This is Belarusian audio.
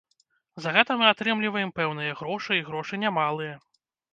За гэта мы атрымліваем пэўныя грошы, і грошы немалыя.